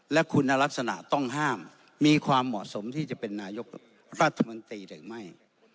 และคุณลักษณะต้องห้ามมีความเหมาะสมที่จะเป็นนายกรัฐมนตรีหรือไม่